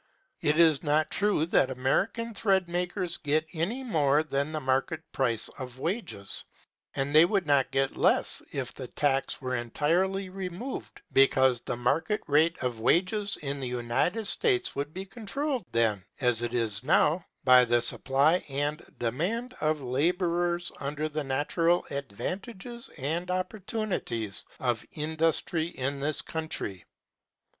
It is not true that American thread makers get any more than the market rate of wages, and they would not get less if the tax were entirely removed, because the market rate of wages in the United States would be controlled then, as it is now, by the supply and demand of laborers under the natural advantages and opportunities of industry in this country.